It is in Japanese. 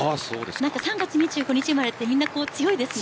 ３月２５日生まれってみんな強いですね。